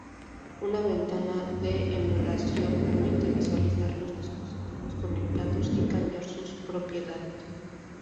Una ventana de emulación permite visualizar los dispositivos conectados y cambiar sus propiedades.